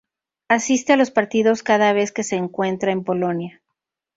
Asiste a los partidos cada vez que se encuentra en Polonia.